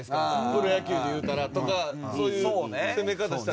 プロ野球でいうたらとかそういう攻め方したら。